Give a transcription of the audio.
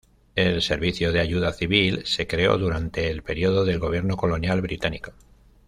El Servicio de Ayuda Civil, se creó durante el período del gobierno colonial británico.